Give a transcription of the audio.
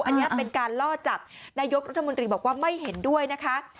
อันนี้เป็นการล่อจับนายกรัฐมนตรีบอกว่าไม่เห็นด้วยนะคะ